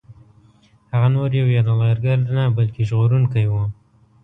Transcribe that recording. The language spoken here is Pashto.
هغه نور یو یرغلګر نه بلکه ژغورونکی وو.